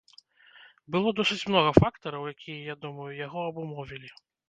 Было досыць многа фактараў, якія, я думаю, яго абумовілі.